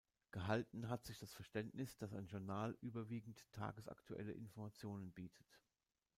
Gehalten hat sich das Verständnis, dass ein Journal überwiegend tagesaktuelle Informationen bietet.